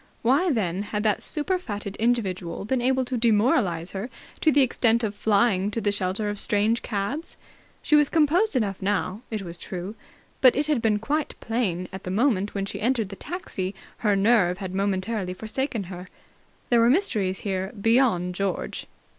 Why, then, had that super fatted individual been able to demoralize her to the extent of flying to the shelter of strange cabs? She was composed enough now, it was true, but it had been quite plain that at the moment when she entered the taxi her nerve had momentarily forsaken her. There were mysteries here, beyond George.